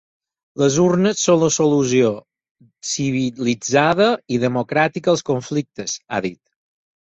Les urnes són la solució civilitzada i democràtica als conflictes, ha dit.